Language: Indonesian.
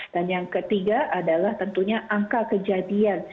dan yang ketiga adalah tentunya angka kejadian